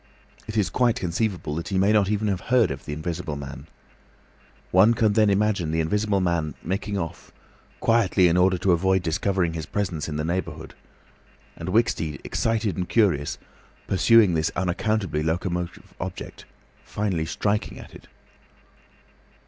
It is quite conceivable that he may not even have heard of the Invisible Man. One can then imagine the Invisible Man making off—quietly in order to avoid discovering his presence in the neighbourhood, and Wicksteed, excited and curious, pursuing this unaccountably locomotive object—finally striking at it.